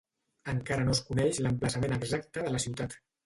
Encara no es coneix l'emplaçament exacte de la ciutat.